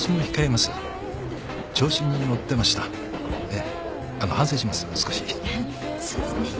ええ。反省します。